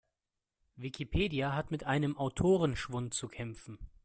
Wikipedia hat mit einem Autorenschwund zu kämpfen.